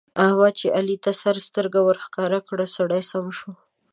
احمد چې علي ته سره سترګه ورښکاره کړه؛ سړی سم شو.